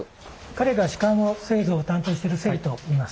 彼が紙管製造を担当してる關といいます。